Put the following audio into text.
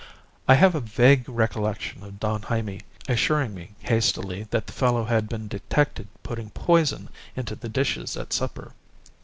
I have a vague recollection of Don Jaime assuring me hastily that the fellow had been detected putting poison into the dishes at supper.